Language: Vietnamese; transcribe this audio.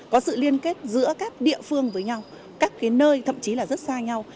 có sự liên kết giữa các địa phương với nhau các cái nơi thậm chí là rất xa nhau